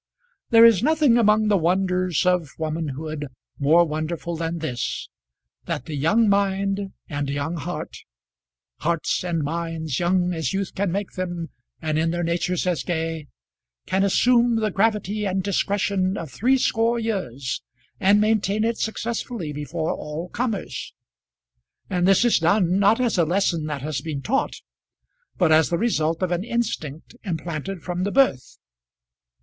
There is nothing among the wonders of womanhood more wonderful than this, that the young mind and young heart, hearts and minds young as youth can make them, and in their natures as gay, can assume the gravity and discretion of threescore years and maintain it successfully before all comers. And this is done, not as a lesson that has been taught, but as the result of an instinct implanted from the birth.